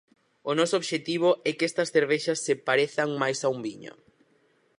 O noso obxectivo é que estas cervexas se parezan máis a un viño.